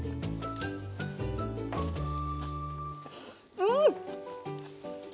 うん！